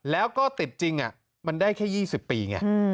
แล้วก็ติดจริงมันได้แค่๒๐ปีไง